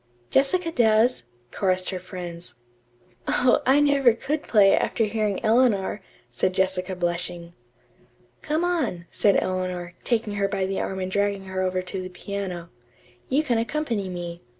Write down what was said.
"Jessica does," chorused her friends. "Oh, I never could play, after hearing Eleanor," said Jessica blushing. "Come on," said Eleanor, taking her by the arm and dragging her over to the piano. "You can accompany me.